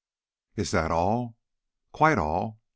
"Is that all?" "Quite all.